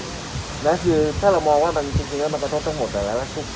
คือถ้าเรามองว่ามันเมตตัวตลกหมดจังหวัดแล้ว